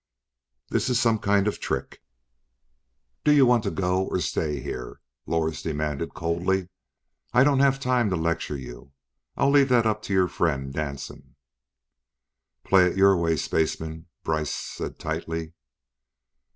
"This is some kind of trick..." "Do you want to go, or stay here," Lors demanded coldly. "I don't have time to lecture you. I'll leave that up to your friend, Danson." "Play it your way, spaceman," Brice said tightly.